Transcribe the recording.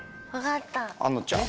あのちゃん。